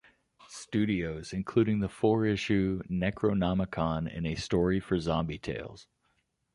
Studios, including the four-issue "Necronomicon" and a story for "Zombie Tales".